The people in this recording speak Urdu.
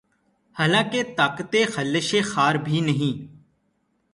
حال آنکہ طاقتِ خلشِ خار بھی نہیں